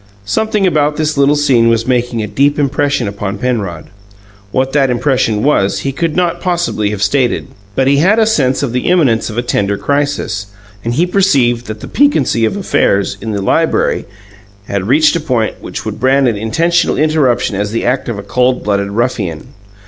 Something about this little scene was making a deep impression upon Penrod. What that impression was, he could not possibly have stated; but he had a sense of the imminence of a tender crisis, and he perceived that the piquancy of affairs in the library had reached a point which would brand an intentional interruption as the act of a cold blooded ruffian.